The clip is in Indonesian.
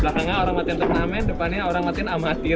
belakangnya orang matin turnamen depannya orang matin amatir